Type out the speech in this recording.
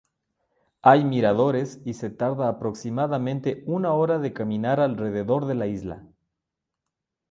Hay miradores y se tarda aproximadamente una hora de caminar alrededor de la isla.